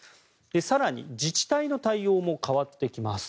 更に、自治体の対応も変わってきます。